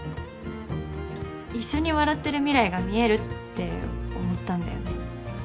一緒に笑ってる未来が見えるって思ったんだよね。